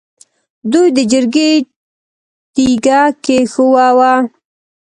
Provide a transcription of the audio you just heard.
دوی د جرګې تیګه کېښووه.